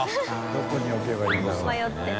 どこに置けばいいんだろうってね。